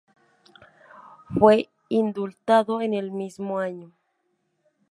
Fue indultado en el mismo año.